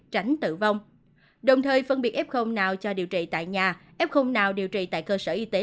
tránh tử vong đồng thời phân biệt f nào cho điều trị tại nhà f nào điều trị tại cơ sở y tế